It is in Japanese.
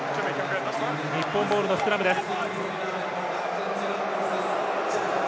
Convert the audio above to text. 日本ボールのスクラムです。